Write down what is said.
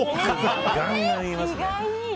ガンガン言いますね。